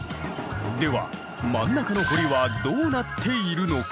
では真ん中の堀はどうなっているのか？